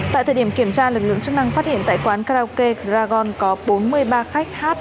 tại thời điểm kiểm tra lực lượng chức năng phát hiện tại quán karaoke gragon có bốn mươi ba khách hát